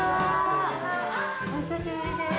お久しぶりです。